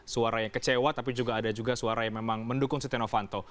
suara yang kecewa tapi juga ada suara yang mendukung siti novanto